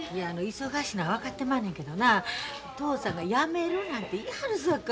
忙しいのは分かってまんねんけどな嬢さんがやめるなんて言わはるさかい。